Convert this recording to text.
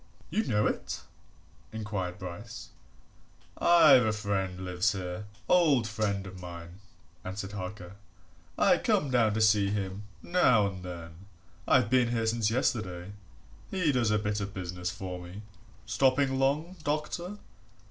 "You know it?" inquired Bryce. "I've a friend lives here old friend of mine," answered Harker. "I come down to see him now and then I've been here since yesterday. He does a bit of business for me. Stopping long, doctor?"